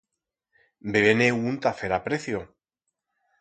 Bebe-ne un ta fer aprecio.